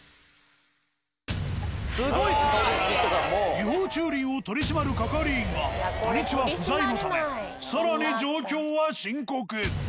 違法駐輪を取り締まる係員が土日は不在のため更に状況は深刻。